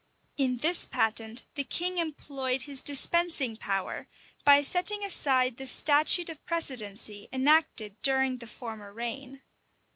In this patent the king employed his dispensing power, by setting aside the statute of precedency enacted during the former reign.